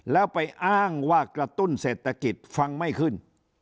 แล้วไปอ้างว่ากระตุ้นเศรษฐกิจฟังไม่ขึ้น